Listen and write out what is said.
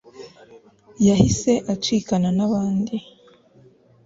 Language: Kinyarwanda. yahise acikana na bandi